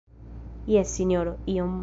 Jes, Sinjoro, iom.